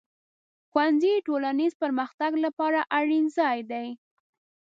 ښوونځی د ټولنیز پرمختګ لپاره اړین ځای دی.